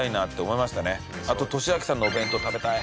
あととしあきさんのお弁当食べたい。